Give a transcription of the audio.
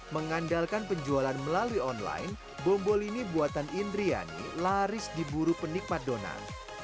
mengandalkan penjualan melalui online bombolini buatan indriani laris diburu penikmat donat